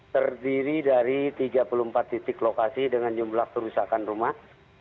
terdiri dari tiga puluh empat titik lokasi dengan jumlah kerusakan rumah